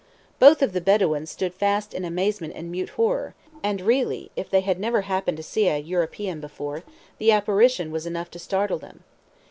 Both of the Bedouins stood fast in amazement and mute horror; and really, if they had never happened to see an European before, the apparition was enough to startle them.